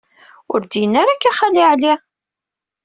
Ur d-yenni ara akka Xali Ɛli.